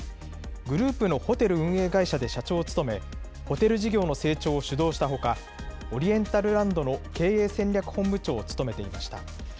グループのホテル運営会社で社長を務め、ホテル事業の成長を主導したほか、オリエンタルランドの経営戦略本部長を務めていました。